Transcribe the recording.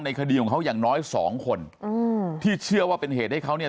คดีของเขาอย่างน้อยสองคนอืมที่เชื่อว่าเป็นเหตุให้เขาเนี่ย